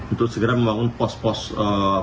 untuk segera membangun pos pos